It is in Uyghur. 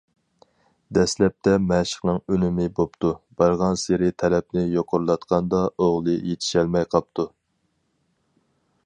دەسلەپتە مەشىقنىڭ ئۈنۈمى بوپتۇ، بارغانسېرى تەلەپنى يۇقىرىلاتقاندا ئوغلى يېتىشەلمەي قاپتۇ.